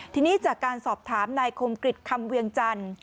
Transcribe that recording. ทีนี้จากการสอบถามนายคมกริจคำเวียงจันทร์